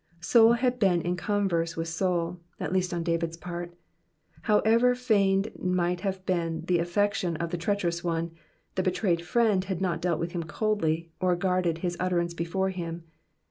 Soul had been in converse with soul, at least on David's part. However feigned might have been the affection of the treacherous one, the betrayed friend had not dealt with him coldly, or guarded his utterance before him.